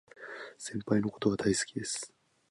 先輩のことが大好きです